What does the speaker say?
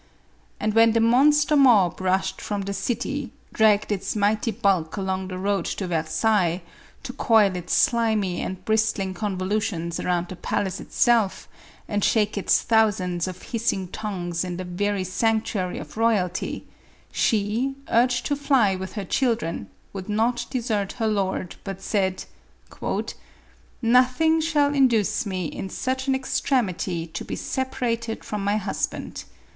And when the monster mob 462 MARIE ANTOINETTE. rushed from the city, dragged its mighty bulk along the road to Versailles, to coil its slimy and bristling convolutions around the palace itself and shake its thousands of hissing tongues in the very sanctuary of royalty, she, urged to fly with her children, would not desert her lord, but said, " Nothing shall induce me, in such an extremity, to be separated from my husband.